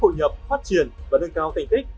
hội nhập phát triển và nâng cao thành tích